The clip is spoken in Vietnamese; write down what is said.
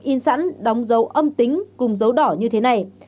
in sẵn và đồng tiền